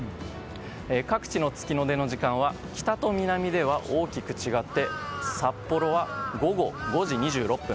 各地の月の出の時間は北と南では大きく違って札幌は午後５時２６分